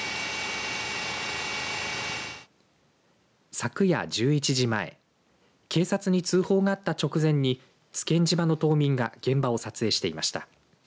昨夜１１時前警察に通報があった直前に津堅島の島民が現場を撮影していました。